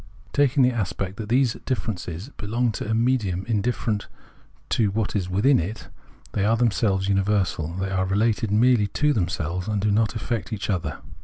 Taking the aspect that these differences belong to a "medium" indifferent to what is within it, they are themselves imiversal, they are related merely to themselves and do not affect each other.